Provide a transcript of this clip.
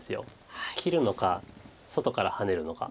切るのか外からハネるのか。